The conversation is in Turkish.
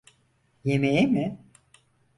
Yemeğe mi?